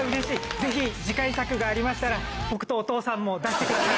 ぜひ、次回作がありましたら、僕とお父さんも出してください。